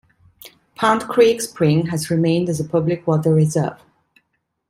Pound Creek Spring has remained as a public Water Reserve.